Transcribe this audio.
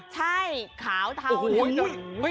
ใช่ขาวเทาเท้า